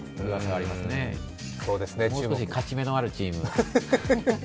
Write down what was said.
もう少し勝ち目のあるチーム。